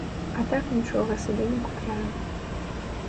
А так нічога сабе не купляю.